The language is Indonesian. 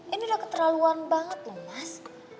ini udah keterlaluan banget loh mas